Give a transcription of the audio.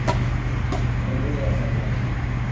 Ben öyle yapacağım.